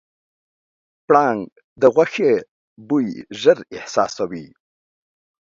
پړانګ د غوښې بوی ژر احساسوي.